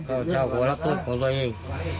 ก้าวเจ้าของรับโทษของตัวเอง